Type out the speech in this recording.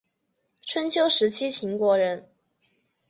春秋时期秦国人。